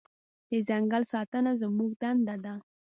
د ځنګل ساتنه زموږ دنده ده.